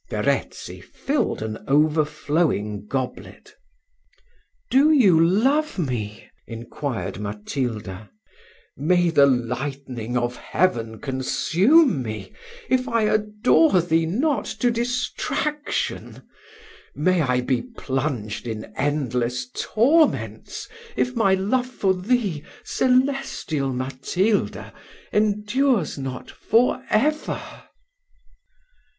Verezzi filled an overflowing goblet. "Do you love me?" inquired Matilda. "May the lightning of heaven consume me, if I adore thee not to distraction! may I be plunged in endless torments, if my love for thee, celestial Matilda, endures not for ever!"